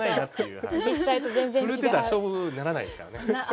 震えてたら勝負にならないですからね。